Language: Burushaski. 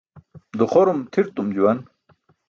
Duxorum tʰirtum juwan.